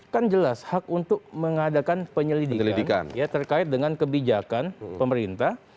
kan jelas hak untuk mengadakan penyelidikan ya terkait dengan kebijakan pemerintah